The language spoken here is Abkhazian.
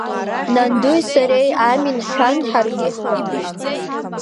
Нандуи сареи амин ҳҳәан, ҳаргьы ҳлатәеит.